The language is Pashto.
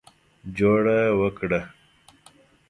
جوړه وکړه.